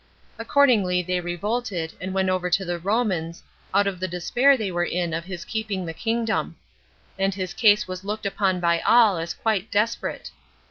Accordingly, they revolted, and went over to the Romans, out of the despair they were in of his keeping the kingdom; and his case was looked upon by all as quite desperate.